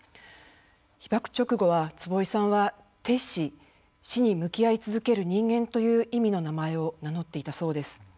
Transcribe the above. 被爆直後は坪井さんは徹死死に向き合い続ける人間という意味の名前を名乗っていたそうです。